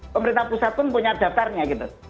pemerintah pusat pun punya daftarnya gitu